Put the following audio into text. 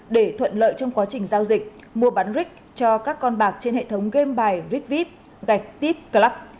để thuận lợi trong quá trình giao dịch mua bán rick cho các con bạc trên hệ thống game bài rigvip gạch tip club